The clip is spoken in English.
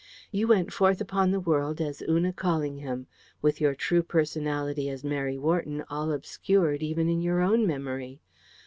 You went forth upon the world as Una Callingham, with your true personality as Mary Wharton all obscured even in your own memory.